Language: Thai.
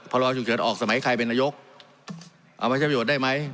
รอฉุกเฉินออกสมัยใครเป็นนายกเอามาใช้ประโยชน์ได้ไหม